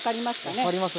分かります